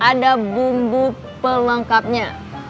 ada bumbu pelengkapnya